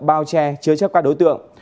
bao che chứa chấp các đối tượng